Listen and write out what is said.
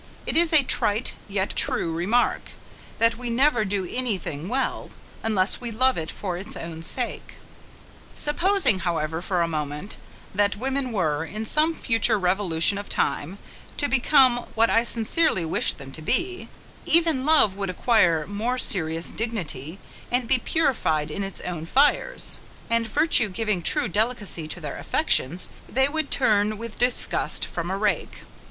It is a trite, yet true remark, that we never do any thing well, unless we love it for its own sake. Supposing, however, for a moment, that women were, in some future revolution of time, to become, what I sincerely wish them to be, even love would acquire more serious dignity, and be purified in its own fires; and virtue giving true delicacy to their affections, they would turn with disgust from a rake.